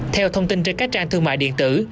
theo thông tin trên các trang thương mại điện tử